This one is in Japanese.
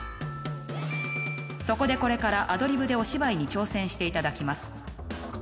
そこでこれから、アドリブでお芝居に挑戦していただきます。